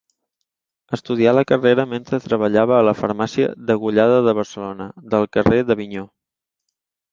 Estudià la carrera mentre treballava a la farmàcia Degollada de Barcelona, del carrer d'Avinyó.